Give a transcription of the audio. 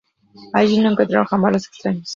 Allí no entraron jamás los extraños.